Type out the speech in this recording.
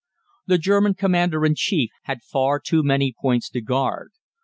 The German Commander in Chief had far too many points to guard.